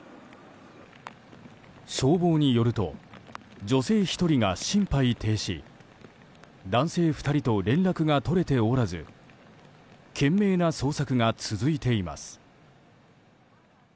消防によると女性１人が心肺停止男性２人と連絡が取れておらず懸命な捜索が続いています。